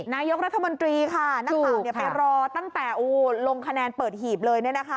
นายกรัฐมนตรีค่ะนักข่าวไปรอตั้งแต่ลงคะแนนเปิดหีบเลย